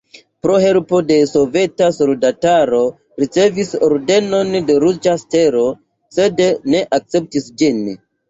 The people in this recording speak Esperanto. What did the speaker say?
Pro helpo al soveta soldataro ricevis Ordenon de Ruĝa Stelo, sed ne akceptis ĝin.